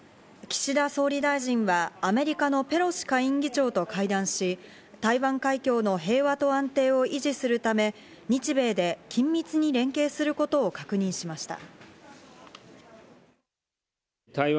岸田総理大臣はアメリカのペロシ下院議長と会談し、台湾海峡の平和と安定を維持するため、日米で緊密に連携することを確認しました。